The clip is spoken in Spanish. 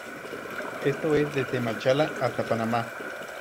Esto es desde Machala hasta Panamá.